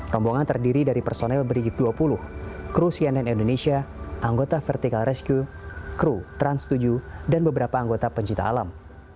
rombongan terdiri dari personel brigif dua puluh kru cnn indonesia anggota vertical rescue kru trans tujuh dan beberapa anggota pencipta alam